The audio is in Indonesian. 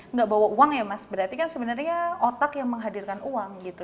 nggak bawa uang ya mas berarti kan sebenarnya otak yang menghadirkan uang gitu